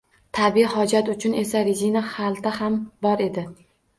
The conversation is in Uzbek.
Tabiiy hojat uchun esa rezina xalta ham bor edi